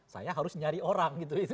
saya harus nyari orang gitu